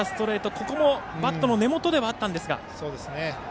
ここも、バットの根元ではあったんですが。